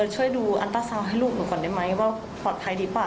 ช่วยดูอันตราซาวน์ให้ลูกหนูก่อนได้ไหมว่าปลอดภัยดีเปล่า